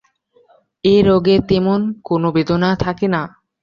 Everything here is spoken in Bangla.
এ রোগে তেমন কোন বেদনা থাকে না।